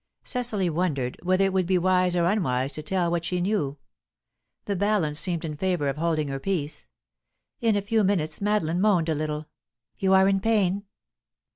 Cecily wondered whether it would be wise or unwise to tell what she knew. The balance seemed in favour of holding her peace. In a few minutes, Madeline moaned a little. "You are in pain?"